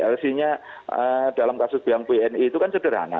lc nya dalam kasus bank bni itu kan sederhana